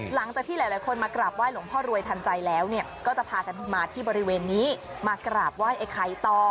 หลังจากที่หลายคนมากราบไห้หลวงพ่อรวยทันใจแล้วก็จะพากันมาที่บริเวณนี้มากราบไหว้ไอ้ไข่ต่อ